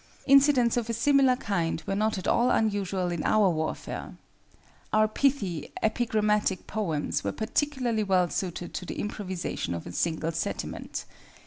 Incidents of a similar kind were not at all unusual in our warfare. Our pithy, epigrammatic poems were particularly well suited to the improvisation of a single sentiment.